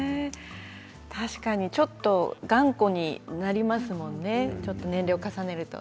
確かにちょっと頑固になりますもんね、年齢を重ねると。